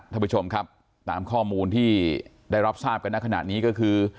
ท่านผู้ชมครับตามข้อมูลที่ได้รับทราบกันในขณะนี้ก็คือ